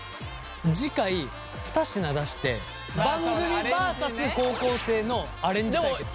次回２品出して番組バーサス高校生のアレンジ対決。